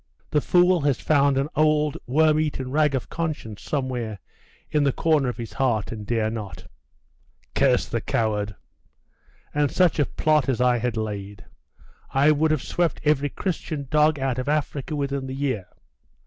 'The fool has found an old worm eaten rag of conscience somewhere in the corner of his heart, and dare not.' 'Curse the coward! And such a plot as I had laid! I would have swept every Christian dog out of Africa within the year.